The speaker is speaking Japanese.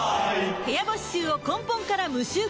部屋干し臭を根本から無臭化